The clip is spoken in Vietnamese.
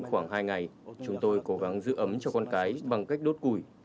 trong tuyết lạnh khoảng hai ngày chúng tôi cố gắng giữ ấm cho con cái bằng cách đốt củi